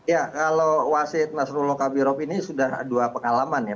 ya kalau wasid nasrullah kabirov ini sudah dua pengalaman ya